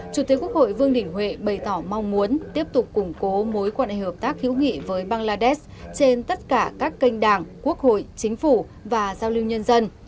chủ tịch quốc hội vương đình huệ bày tỏ mong muốn tiếp tục củng cố mối quan hệ hợp tác hữu nghị với bangladesh trên tất cả các kênh đảng quốc hội chính phủ và giao lưu nhân dân